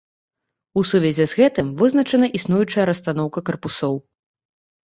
У сувязі з гэтым вызначана існуючая расстаноўка карпусоў.